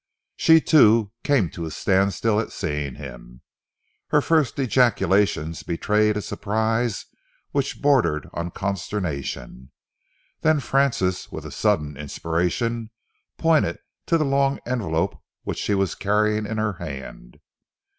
She, too, came to a standstill at seeing him. Her first ejaculations betrayed a surprise which bordered on consternation. Then Francis, with a sudden inspiration, pointed to the long envelope which she was carrying in her hand.